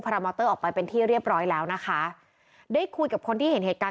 รามอเตอร์ออกไปเป็นที่เรียบร้อยแล้วนะคะได้คุยกับคนที่เห็นเหตุการณ์